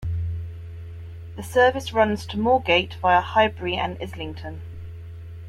The service runs to Moorgate via Highbury and Islington.